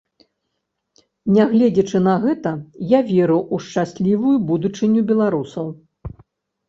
Нягледзячы на гэта, я веру ў шчаслівую будучыню беларусаў.